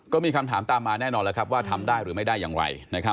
ก็มีคำถามตามมาแน่นอนแล้วครับว่าทำได้หรือไม่ได้อย่างไร